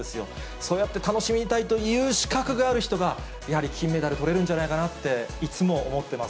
そうやって楽しみたいという資格がある人が、やはり金メダルとれるんじゃないかなっていつも思ってます。